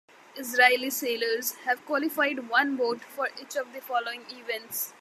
Israeli sailors have qualified one boat for each of the following events.